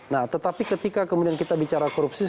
nah tetapi ketika kemudian kita bicara korupsi